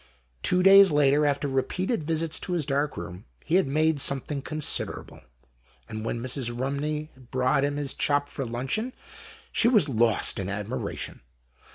anOST TALES. Two days later, after repeated visits to his dark room, he had made something consider able ; and when Mrs. Rumney brought him his chop for luncheon, she was lost in admir ation.